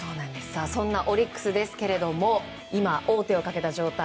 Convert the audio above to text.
そんなオリックスですが今、王手をかけた状態。